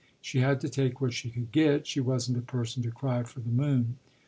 She had to take what she could get she wasn't a person to cry for the moon.